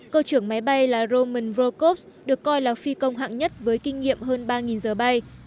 cơ trưởng máy bay là roman rokovs được coi là phi công hạng nhất với kinh nghiệm hơn ba giờ bay